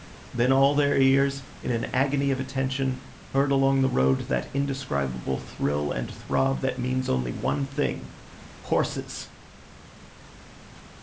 Then all their ears, in an agony of attention, heard along the road that indescribable thrill and throb that means only one thing—horses!